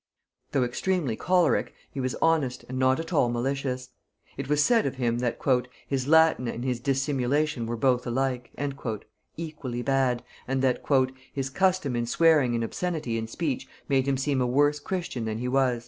Though extremely choleric, he was honest, and not at all malicious. It was said of him that "his Latin and his dissimulation were both alike," equally bad, and that "his custom in swearing and obscenity in speech made him seem a worse Christian than he was."